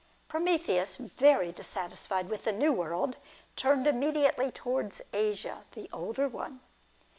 Prometheus, very dissatisfied with the New World, turned immediately towards Asia, the older one.